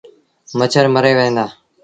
مڇر مري وهيݩ دآ۔